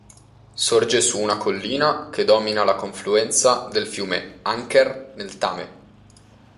Sorge su una collina che domina la confluenza del fiume Anker nel Tame.